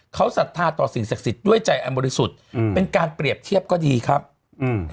เขาศรัทธาต่อสิ่งศักดิ์สิทธิ์ด้วยใจอันบริสุทธิ์อืมเป็นการเปรียบเทียบก็ดีครับอืม